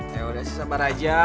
yaudah sih sabar aja